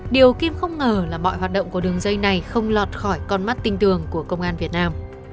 điều kim không ngờ là mọi hoạt động của đường dây này không lọt khỏi con mắt tinh tường của công an việt nam